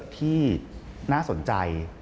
ที่น่าสนใจ